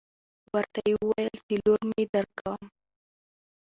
ورته يې وويل چې لور مې درکم.